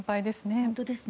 本当ですね。